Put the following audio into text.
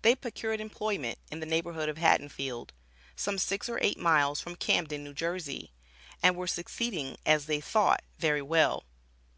They procured employment in the neighborhood of Haddonfield, some six or eight miles from Camden, New Jersey, and were succeeding, as they thought, very well.